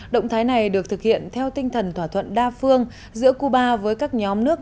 động thái này được thực hiện theo tinh thần thỏa thuận đa phương giữa cuba với các nhóm nước